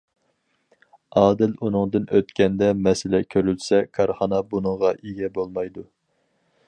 ئادىل ئۇنىڭدىن ئۆتكەندە مەسىلە كۆرۈلسە كارخانا بۇنىڭغا ئىگە بولمايدۇ.